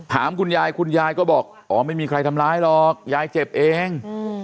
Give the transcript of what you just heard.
ถามคุณยายคุณยายก็บอกอ๋อไม่มีใครทำร้ายหรอกยายเจ็บเอง